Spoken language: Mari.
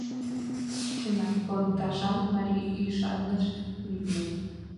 Чынак, пондашан марий ӱшаныш, витне.